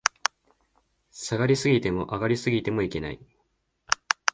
下がり過ぎても、上がり過ぎてもいけない